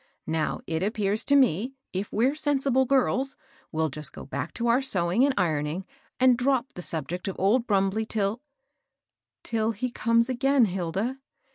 Now, it appears to me, if we're sensible girls, we'll just go back to our sewing and ironing, • and drop the subject of old Brumbley till "—" Till he comes again, Hilda